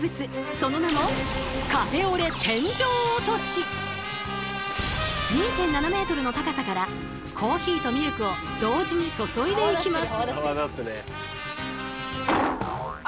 その名も２．７ｍの高さからコーヒーとミルクを同時に注いでいきます。